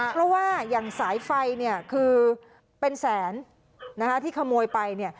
เพราะว่าอย่างสายไฟเนี่ยคือเป็นแสนที่ขโมยไปเนี่ย